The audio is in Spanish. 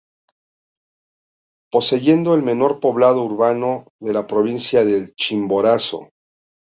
Poseyendo el menor poblado urbano de la provincia del Chimborazo.